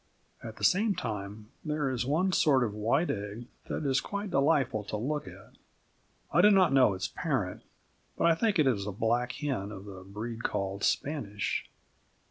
At the same time, there is one sort of white egg that is quite delightful to look at. I do not know its parent, but I think it is a black hen of the breed called Spanish.